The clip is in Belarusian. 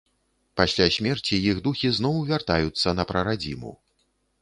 Пасля смерці іх духі зноў вяртаюцца на прарадзіму.